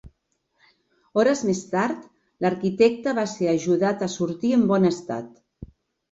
Hores més tard, l'arquitecte va ser ajudat a sortir en bon estat.